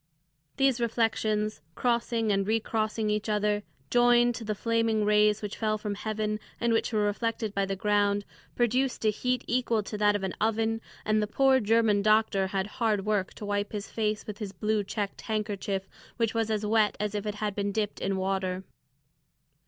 These reflections, crossing and recrossing each other, joined to the flaming rays which fell from heaven and which were reflected by the ground, produced a heat equal to that of an oven, and the poor German doctor had hard work to wipe his face with his blue checked handkerchief, which was as wet as if it had been dipped in water.